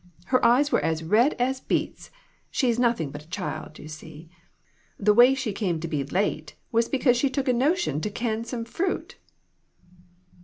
Her eyes were as red as beets ; she's nothing but a child, you see. The way she came to be late was because she took a notion to can some fruit."